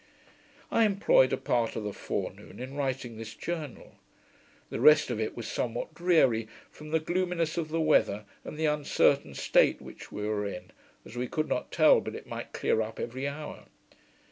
I employed a part of the forenoon in writing this Journal. The rest of it was somewhat dreary, from the gloominess of the weather, and the uncertain state which we were in, as we could not tell but it might clear up every hour.